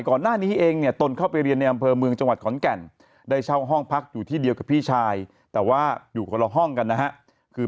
ก่อนหน้านี้เองตนเข้าไปเรียนใน